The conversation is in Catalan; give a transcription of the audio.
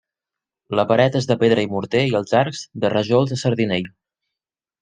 La paret és de pedra i morter i els arcs de rajols a sardinell.